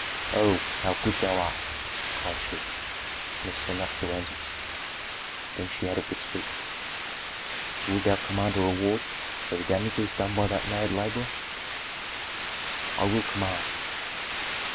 "Oh, how good thou art!" cried she, nestling up to Rameses; then she added with sweetness, "Wilt thou command a reward for the damages done by that mad laborer?" "I will command."